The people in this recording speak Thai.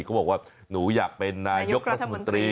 เขาบอกว่าหนูอยากเป็นนายกรัฐมนตรี